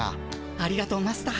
ありがとうマスター。